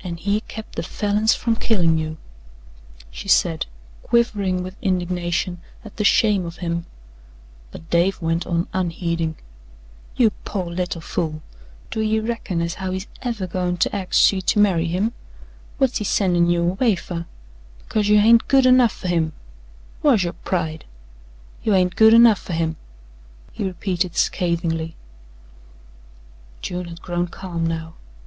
"An' he kept the Falins from killin' you," she said, quivering with indignation at the shame of him, but Dave went on unheeding: "You pore little fool! Do ye reckon as how he's EVER goin' to axe ye to marry him? Whut's he sendin' you away fer? Because you hain't good enough fer him! Whar's yo' pride? You hain't good enough fer him," he repeated scathingly. June had grown calm now.